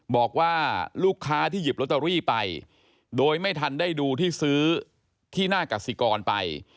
บอกว่าลูกค้าที่หยิบลอตเตอรี่ไปโดยไม่ทันได้ดูที่ซื้อที่หน้ากสิกรไป